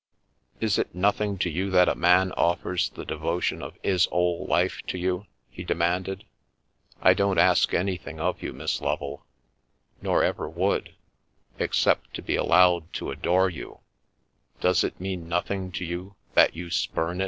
" Is it nothing to you that a man offers the devotion of 'is 'ole life to you?" he demanded. "I don't ask anything of you, Miss Lovel, nor ever would, except to be allowed to adore you — does it mean nothing to you that you spurn it